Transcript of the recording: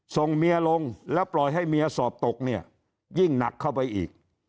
ส่งเมียลงแล้วปล่อยให้เมียสอบตกเนี่ยยิ่งหนักเข้าไปอีก